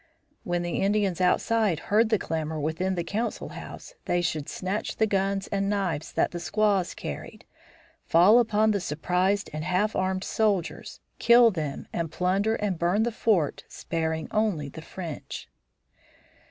When the Indians outside heard the clamor within the council house they should snatch the guns and knives that the squaws carried, fall upon the surprised and half armed soldiers, kill them and plunder and burn the fort, sparing only the French.